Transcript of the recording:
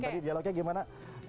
tadi dialognya gimana